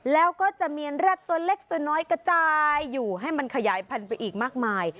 แล้วก็จะมีแร็ดตัวเล็กตัวน้อยกระจายอยู่ให้มันขยายพันธุ์ไปอีกมากมาย